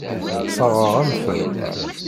Sseṛɣeɣ-am-ten.